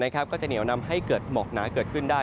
ก็จะเหนียวนำให้เกิดหมอกหนาเกิดขึ้นได้